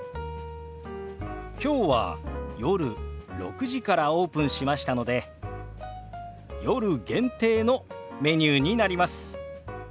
きょうは夜６時からオープンしましたので夜限定のメニューになります。